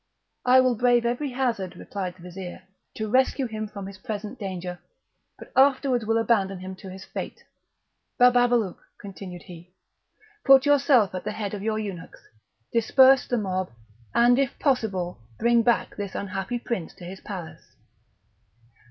"I will brave every hazard," replied the vizir, "to rescue him from his present danger, but afterwards will abandon him to his fate. Bababalouk," continued he, "put yourself at the head of your eunuchs; disperse the mob, and, if possible, bring back this unhappy prince to his palace."